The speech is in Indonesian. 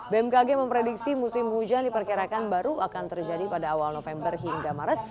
bmkg memprediksi musim hujan diperkirakan baru akan terjadi pada awal november hingga maret